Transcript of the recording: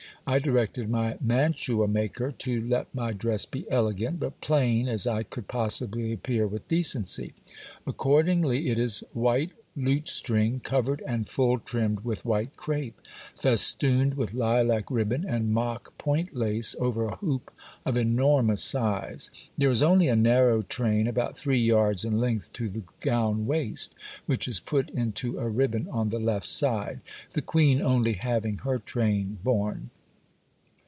I directed my mantua maker to let my dress be elegant, but plain as I could possibly appear with decency. Accordingly, it is white lutestring, covered and full trimmed with white crape, festooned with lilac ribbon and mock point lace, over a hoop of enormous size. There is only a narrow train, about three yards in length to the gown waist, which is put into a ribbon on the left side,—the Queen only having her train borne.